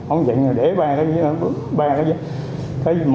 ông dạy để ba cái